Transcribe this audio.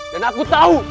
dan aku tahu